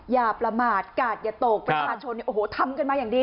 อย่าประมาทกาศอย่าตกประชาชนทำกันมาอย่างดี